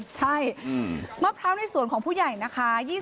ใช่มะพร้าวในสวนของผู้ใหญ่นะคะ